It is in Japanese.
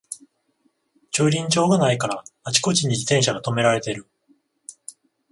駐輪場がないからあちこちに自転車がとめられてる